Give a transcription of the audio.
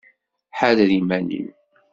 Ḥader iman-im!